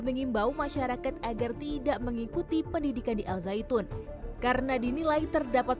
mengimbau masyarakat agar tidak mengikuti pendidikan di al zaitun karena dinilai terdapat